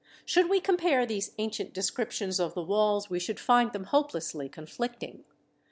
Should we compare these ancient descriptions of the walls, we should find them hopelessly conflicting.